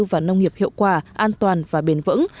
và nông nghiệp hiệu quả an toàn và bền vững